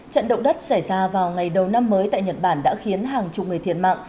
trận động đất xảy ra vào ngày đầu năm mới tại nhật bản đã khiến hàng chục người thiệt mạng